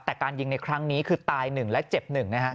แต่การยิงในครั้งนี้คือตายหนึ่งและเจ็บหนึ่งนะครับ